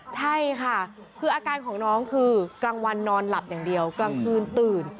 ใช่ค่ะคืออาการของน้องคือกลางวันนอนหลับอย่างเดียวกลางคืนตื่น